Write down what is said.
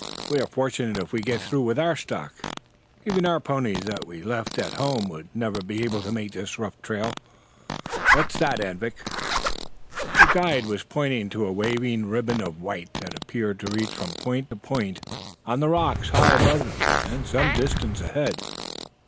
We are fortunate if we get through with our stock. Even our own ponies that we left at home would never be able to make this rough trail. What's that, Anvik?" The guide was pointing to a waving ribbon of white that appeared to reach from point to point on the rocks high above them and some distance ahead.